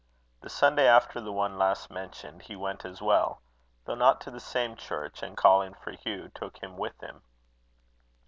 The Sunday after the one last mentioned, he went as well, though not to the same church, and calling for Hugh took him with him.